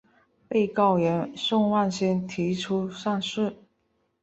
被告人宋万新提出上诉。